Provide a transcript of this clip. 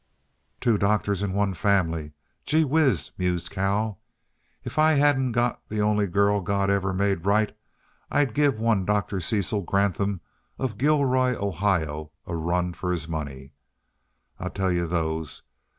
"Two doctors in one family gee whiz!" mused Cal. "If I hadn't got the only girl God ever made right, I'd give one Dr. Cecil Granthum, of Gilroy, Ohio, a run for his money, I tell yuh those.